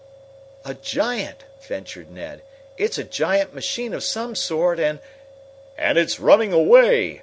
"A giant," ventured Ned. "It's a giant machine of some sort and " "And it's running away!"